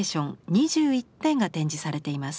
２１点が展示されています。